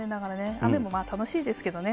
雨も楽しいですけどね。